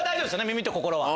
耳と心は。